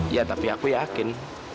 ya tapi aku yakin